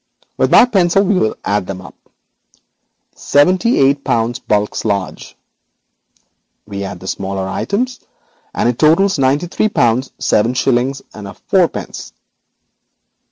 With my pencil we will add them up. Seventy eight pounds the principal debt bulks large. We add the smaller items and it reaches a total of ninety three pounds seven shillings and fourpence.